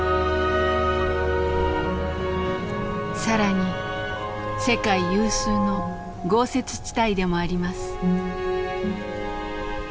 更に世界有数の豪雪地帯でもあります。